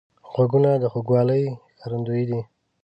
غوږونه د غوږوالۍ ښکارندوی دي